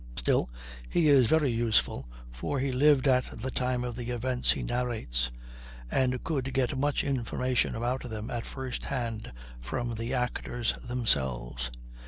Still, he is very useful, for he lived at the time of the events he narrates, and could get much information about them at first hand, from the actors themselves.